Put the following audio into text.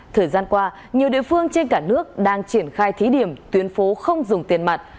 thời gian qua nhiều địa phương trên cả nước đang triển khai thí điểm tuyến phố không dùng tiền mặt